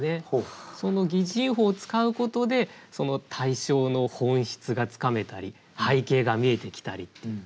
その擬人法を使うことでその対象の本質がつかめたり背景が見えてきたりっていう。